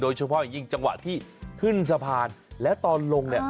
เฉพาะอย่างยิ่งจังหวะที่ขึ้นสะพานแล้วตอนลงเนี่ย